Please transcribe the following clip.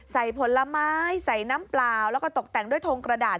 ผลไม้ใส่น้ำเปล่าแล้วก็ตกแต่งด้วยทงกระดาษ